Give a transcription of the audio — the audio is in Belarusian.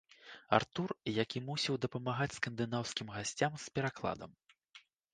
Артур, які мусіў дапамагаць скандынаўскім гасцям з перакладам.